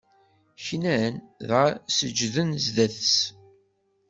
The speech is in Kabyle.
Knan, dɣa seǧǧden zdat-s.